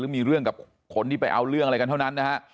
มีเรื่องกับคนที่ไปเอาเรื่องอะไรกันเท่านั้นนะฮะ